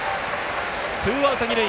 ツーアウト、二塁。